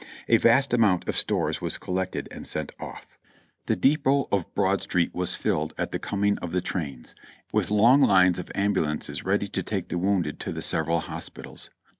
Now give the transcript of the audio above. A vast amount of stores was collected and sent off. The depot of Broad Street 362 JOHNNY REB AND BILLY YANK was filled at the coming of the trains, with long lines of ambulances ready to take the wounded to the several hospitals.